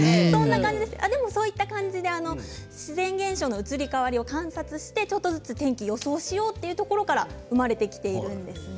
でも、そういった感じで自然現象の移り変わりを観察してちょっとずつ天気を予想しようというところから生まれてきているんです。